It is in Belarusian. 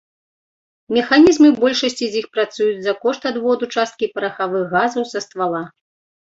Механізмы большасці з іх працуюць за кошт адводу часткі парахавых газаў са ствала.